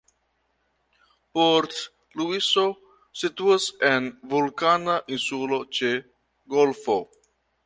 Port-Luiso situas en vulkana insulo ĉe golfo.